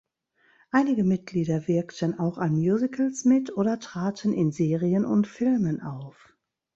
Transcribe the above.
Einige Mitglieder wirkten auch an Musicals mit oder traten in Serien und Filmen auf.